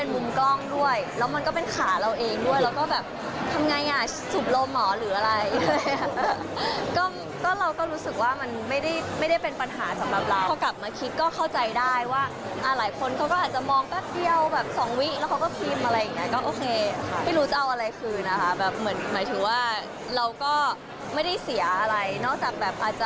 หมายถึงว่าเราก็ไม่ได้เสียอะไรนอกจากแบบอาจจะความไม่เข้าใจนิดหน่อยอะไรอย่างเงี้ย